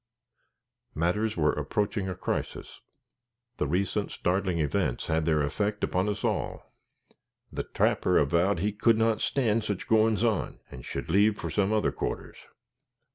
Matters were approaching a crisis. The recent startling events had their effect upon us all. The trapper avowed he could not stand "sich goin's on," and should leave for some other quarters.